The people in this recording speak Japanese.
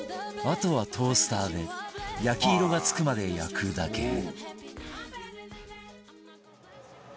あとはトースターで焼き色が付くまで焼くだけ